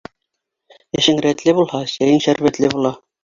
Эшең рәтле булһа, сәйең шәрбәтле була.